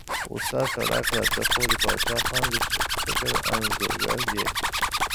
غوسه سړه کړه، ته خو د باچا خان د فکر انځورګر یې.